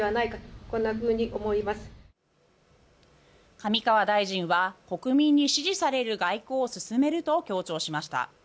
上川大臣は国民に支持される外交を進めると強調しました。